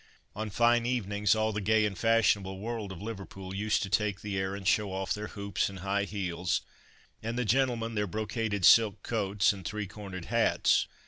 On fine evenings all the gay and fashionable world of Liverpool used to take the air and show off their hoops and high heels, and the gentlemen their brocaded silk coats, and three cornered hats.